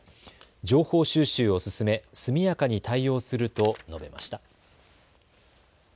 情報収集を進め速やかに対応すると述べました。